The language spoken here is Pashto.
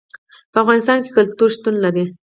په افغانستان کې کلتور شتون لري.